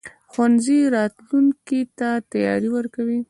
ښوونځی راتلونکي ته تیاری ورکوي.